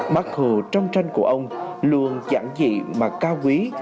bác hồ trong tranh của ông luôn giảng dị mà cao quý